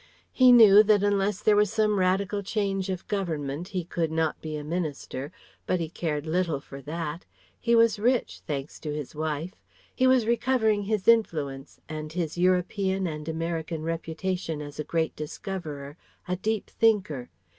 He knew that unless there was some radical change of government he could not be a minister; but he cared little for that. He was rich thanks to his wife he was recovering his influence and his European and American reputation as a great discoverer, a deep thinker.